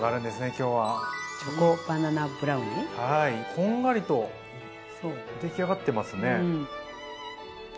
こんがりとできあがってますね！